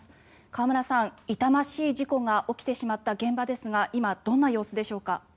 河村さん、痛ましい事故が起きてしまった現場ですが今、どんな様子でしょうか。